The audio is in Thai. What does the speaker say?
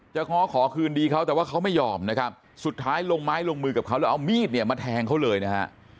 ง้อขอคืนดีเขาแต่ว่าเขาไม่ยอมนะครับสุดท้ายลงไม้ลงมือกับเขาแล้วเอามีดเนี่ยมาแทงเขาเลยนะฮะ